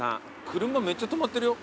車めっちゃ止まってるよ。